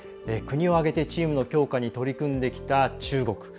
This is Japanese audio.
国を挙げてチームの強化に取り組んできた中国。